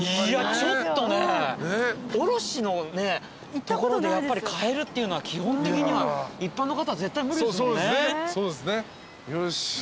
いやちょっとね卸のところで買えるっていうのは基本的には一般の方は絶対無理ですもんね。